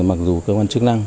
mặc dù cơ quan chức năng